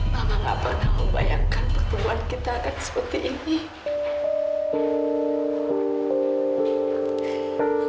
mama gak pernah membayangkan pertumbuhan kita akan seperti ini